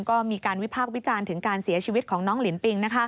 ก็มีการวิพากษ์วิจารณ์ถึงการเสียชีวิตของน้องลินปิง